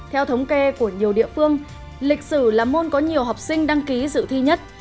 theo thống kê của nhiều địa phương lịch sử là môn có nhiều học sinh đăng ký dự thi nhất